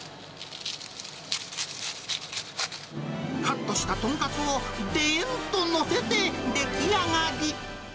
カットしたとんかつをでんと載せて、出来上がり。